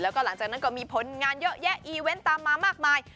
แล้วก็หลังจากนั้นก็มีผลงานเยอะแยะอีเวนต์ตามมามากมาย